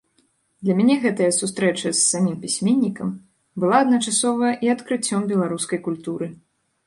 Для мяне гэтая сустрэча з самім пісьменнікам была адначасова і адкрыццём беларускай культуры.